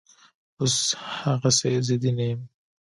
اوس هغسې ضدي نه یم